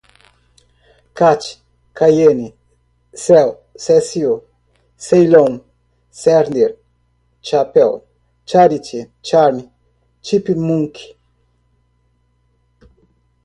cat, cayenne, cel, cecil, ceylon, cerner, chapel, charity, charm, chipmunk